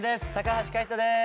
橋海人です。